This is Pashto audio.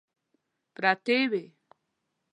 پرتې وې.